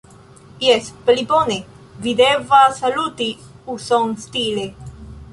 Jes, pli bone. Vi devas saluti uson-stile.